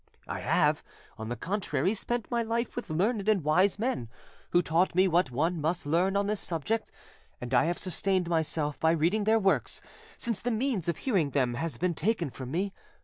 I have, on the contrary, spent my life with learned and wise men who taught me what one must learn on this subject, and I have sustained myself by reading their works, since the means of hearing them has been taken from me.